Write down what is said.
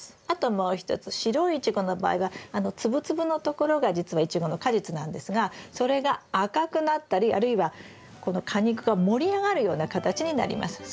あともう一つ白いイチゴの場合はあの粒々のところがじつはイチゴの果実なんですがそれが赤くなったりあるいはこの果肉が盛り上がるような形になります。